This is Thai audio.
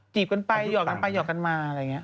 กันไปหยอกกันไปหยอกกันมาอะไรอย่างนี้